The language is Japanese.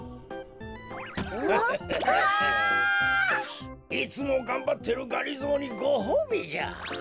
ん？わあ！いつもがんばってるがりぞーにごほうびじゃ。え！